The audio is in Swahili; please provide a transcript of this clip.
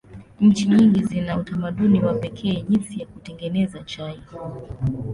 Nchi nyingi zina utamaduni wa pekee jinsi ya kutengeneza chai.